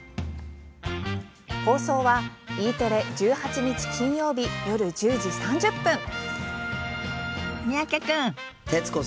放送はＥテレ１８日金曜日夜１０時３０分。